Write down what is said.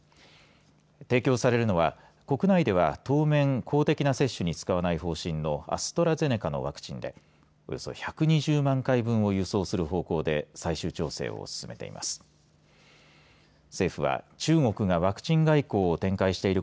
提供されるのは国内では当面公的な接種に使わない方針のアストラゼネカのワクチンでおよそ１２０万回分を輸送する方向で最終調整を進めています。